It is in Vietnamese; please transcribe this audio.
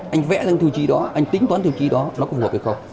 anh vẽ ra thư chi đó anh tính toán thư chi đó nó có phù hợp hay không